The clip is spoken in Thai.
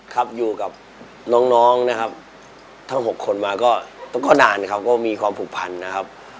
ครับอยู่กับน้องนะครับทั้ง๖คนมาก็นานครับก็มีความผูกพันนะครับ